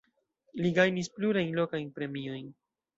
Li gajnis plurajn lokajn premiojn.